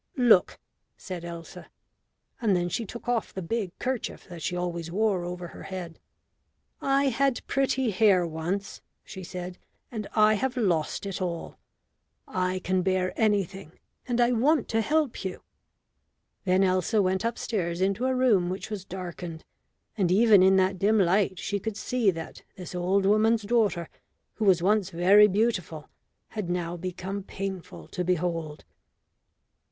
"Look," said Elsa. And then she took off the big kerchief that she always wore over her head. "I had pretty hair once," she said, "and I have lost it all. I can bear anything, and I want to help you." Then Elsa went upstairs into a room which was darkened, and even in that dim light she could see that this old woman's daughter, who was once very beautiful, had now become painful to behold.